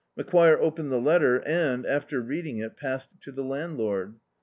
Macquire opened the letter and, after reading it, passed it to the landlord.